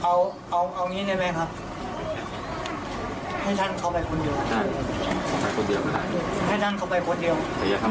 จะพาคุณผู้ชมไปดูบรรยากาศตอนที่เจ้าหน้าที่เข้าไปในบ้าน